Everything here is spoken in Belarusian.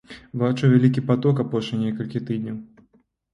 Бачу вялікі паток апошнія некалькі тыдняў.